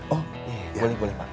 oh boleh boleh pak